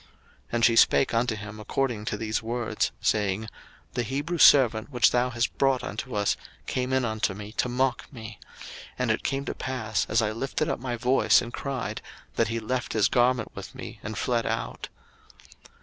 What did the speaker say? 01:039:017 And she spake unto him according to these words, saying, The Hebrew servant, which thou hast brought unto us, came in unto me to mock me: 01:039:018 And it came to pass, as I lifted up my voice and cried, that he left his garment with me, and fled out.